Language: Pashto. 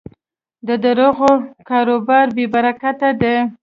د دروغو کاروبار بېبرکته دی.